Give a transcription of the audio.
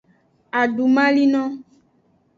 Adumalino.